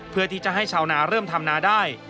เพื่อที่จะให้ชาวนาเริ่มทำนาได้